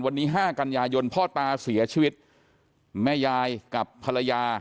วันนี้ห้ากันยายนพ่อตาเสียชีวิตแม่ยายกับภรรยา